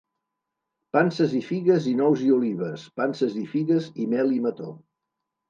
Panses i figues i nous i olives, panses i figues i mel i mató.